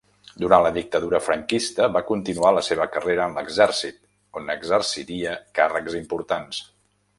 Durant la Dictadura franquista va continuar la seva carrera en l'Exèrcit, on exerciria càrrecs importants.